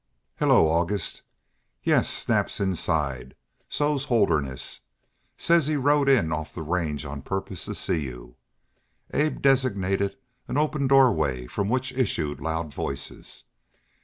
"Hello, August. Yes, Snap's inside. So's Holderness. Says he rode in off the range on purpose to see you." Abe designated an open doorway from which issued loud voices.